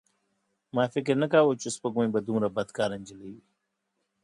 ما فکر نه کاوه چې سپوږمۍ به دومره بدکاره نجلۍ وي.